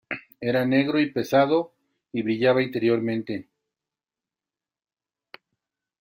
Era negro y pesado, y brillaba interiormente.